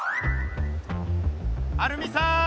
アルミさん！